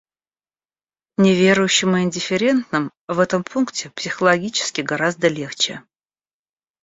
Неверующим и индифферентным в этом пункте психологически гораздо легче.